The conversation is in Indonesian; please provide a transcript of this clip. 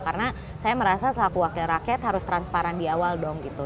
karena saya merasa selaku wakil rakyat harus transparan di awal dong gitu